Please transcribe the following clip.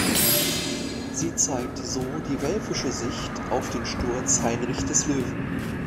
Sie zeigt so die welfische Sicht auf den Sturz Heinrich des Löwen.